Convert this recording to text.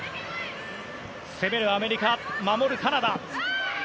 攻めるアメリカ、守るカナダ。